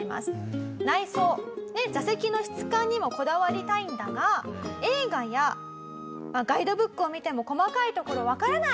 「内装座席の質感にもこだわりたいんだが映画やガイドブックを見ても細かいところわからない」。